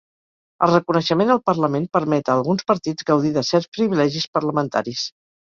El reconeixement al Parlament permet a alguns partits gaudir de certs privilegis parlamentaris.